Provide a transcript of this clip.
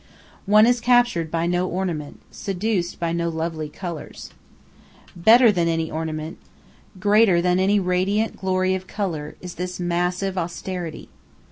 One is captured by no ornament, seduced by no lovely colors. Better than any ornament, greater than any radiant glory of color, is this massive austerity.